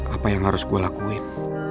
apa yang harus gue lakuin